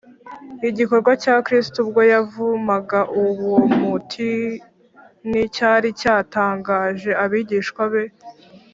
’ igikorwa cya kristo ubwo yavumaga uwo mutini cyari cyatangaje abigishwa be